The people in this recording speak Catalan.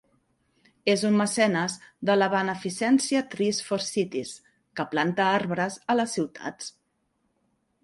És un mecenes de la beneficència Trees for Cities, que planta arbres a les ciutats.